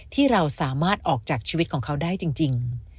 ที่เราสามารถออกจากชีวิตของเขาได้จริง